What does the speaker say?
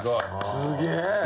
すげえ！